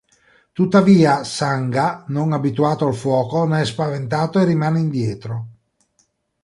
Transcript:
Tuttavia Sangha, non abituato al fuoco, ne è spaventato e rimane indietro.